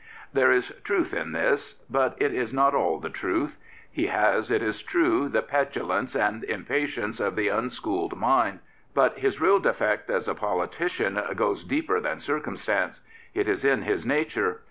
There is truth in this; but it is not all the truth. He has, it is true, the petulance and impatience of the unschooled mind. But his real defect as a politician goes deeper than circumstance. It is in his nature.